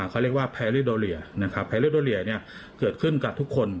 เขาเรียกว่าแพลริโดเรียแพลริโดเรียเกิดขึ้นกับทุกคน